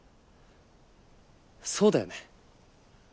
そうだよね。